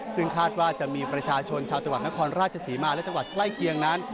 ซึ่งคาดว่าจะมีประชาชนชาวจังหวัดนครราชศรีมาและจังหวัดใกล้เคียงนั้น